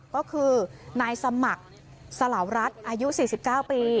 ก็คือนายสมัครสลาวรัฐอายุสี่สิบเก้าปี